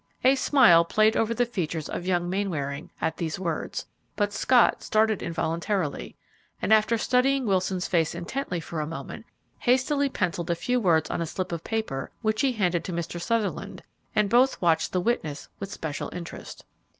A smile played over the features of young Mainwaring at these words, but Scott started involuntarily, and, after studying Wilson's face intently for a moment, hastily pencilled a few words on a slip of paper which he handed to Mr. Sutherland, and both watched the witness with special interest.